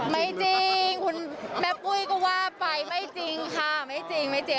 ไม่จริงคุณแม่ปุ้ยก็ว่าไปไม่จริงค่ะไม่จริงไม่จริง